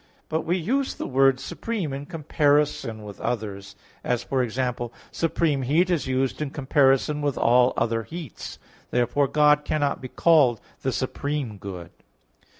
But we use the word supreme in comparison with others, as e.g. supreme heat is used in comparison with all other heats. Therefore God cannot be called the supreme good.